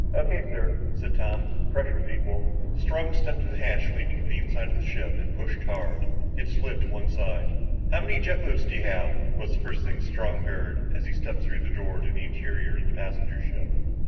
"O.K., sir," said Tom, "pressure's equal." Strong stepped to the hatch leading to the inside of the ship and pushed hard. It slid to one side. "How many jet boats do you have?" was the first thing Strong heard as he stepped through the door to the interior of the passenger ship.